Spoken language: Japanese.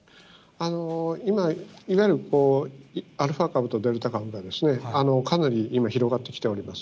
今、いわゆるアルファ株とデルタ株がかなり今、広がってきております。